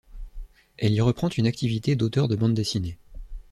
Elle y reprend une activité d'auteure de bande dessinée.